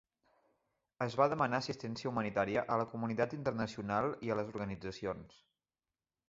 Es va demanar assistència humanitària a la comunitat internacional i les organitzacions.